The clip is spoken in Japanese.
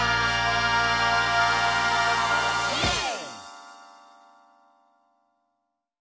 イエーイ！